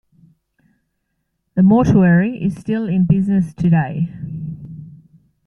The mortuary is still in business today.